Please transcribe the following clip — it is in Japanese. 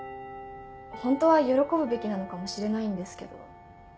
ホントは喜ぶべきなのかもしれないんですけど。